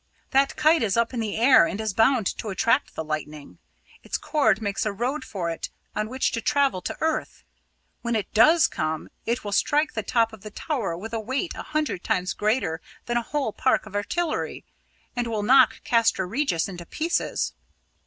That kite is up in the air and is bound to attract the lightning. Its cord makes a road for it on which to travel to earth. When it does come, it will strike the top of the tower with a weight a hundred times greater than a whole park of artillery, and will knock Castra Regis into pieces.